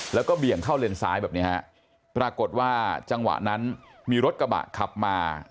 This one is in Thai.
แล้วก็เบี่ยงเข้าเลนซ้ายแบบเนี้ยฮะปรากฏว่าจังหวะนั้นมีรถกระบะขับมา